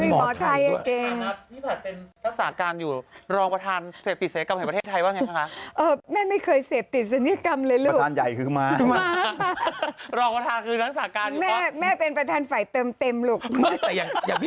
หมเราไทยยังเก่งเป็นหมอไทยด้วย